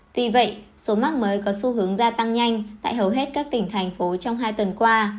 tuy vậy số mắc mới có xu hướng gia tăng nhanh tại hầu hết các tỉnh thành phố trong hai tuần qua